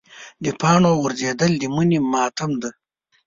د پاڼو غورځېدل د مني ماتم دی.